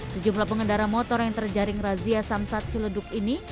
sejumlah pengendara motor yang terjaring razia samsat ciledug ini